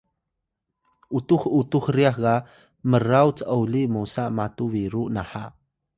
utux utux ryax ga mraw c’oli mosa matu biru naha